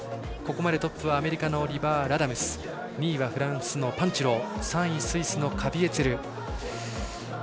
ここまでトップはアメリカのリバー・ラダムス２位はフランスのパンテュロー３位、スイスのカビエツェル。